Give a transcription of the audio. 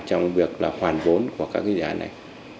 trong việc là khoản vốn của các cái dự án này